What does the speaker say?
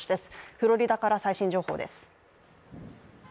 フロリダから最新情報です。